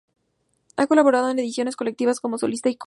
Ha colaborado en ediciones colectivas como solista y coro.